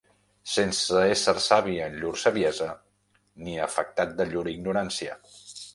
Sense ésser savi en llur saviesa, ni afectat de llur ignorància.